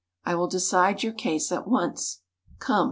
I will decide your case at once. Come."